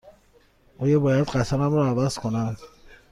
آیا باید قطارم را عوض کنم؟